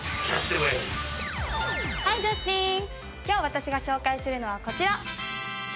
今日私が紹介するのはこちら！